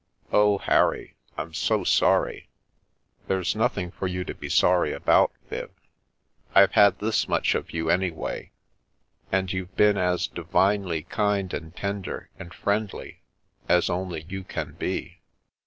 Oh, Harry, I'm so sorry !" "There's nothing for you to be sorry about, Viv. I've had this much of you, anyway, and you've been as u iA The Last of Harry divinely kind and tender and friendly as only yoa can be.